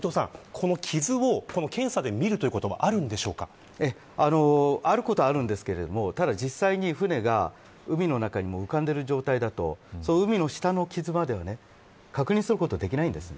傷を検査で見るということはあることはありますが実際に船が海の中にもう浮かんでいる状態だと海の下の傷までは確認することはできないんです。